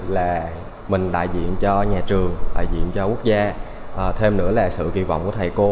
là mình đại diện cho nhà trường đại diện cho quốc gia thêm nữa là sự kỳ vọng của thầy cô